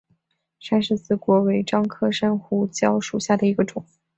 山柿子果为樟科山胡椒属下的一个种。